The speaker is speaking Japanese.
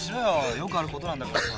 よくあることなんだからさ。